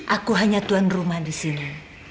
aku hanya tuan rumah disini